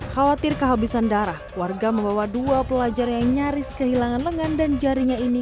khawatir kehabisan darah warga membawa dua pelajar yang nyaris kehilangan lengan dan jarinya ini